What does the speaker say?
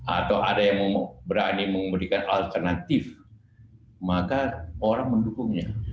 atau ada yang berani memberikan alternatif maka orang mendukungnya